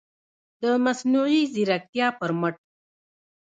د مصنوعي ځیرکتیا پر مټ